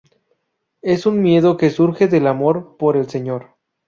Es un miedo que surge del amor por el Señor.